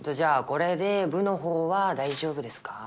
これで部のほうは大丈夫ですか？